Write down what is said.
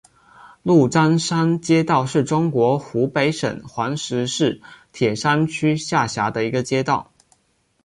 鹿獐山街道是中国湖北省黄石市铁山区下辖的一个街道。